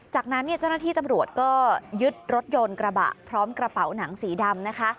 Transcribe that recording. จากนั้นเนี่ยเจ้าหน้าที่ตำรวจก็ยึดรถยนต์กระบะพร้อมกระเป๋าหนังสีดำนะคะ